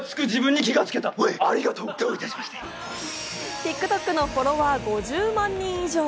ＴｉｋＴｏｋのフォロワー５０万人以上。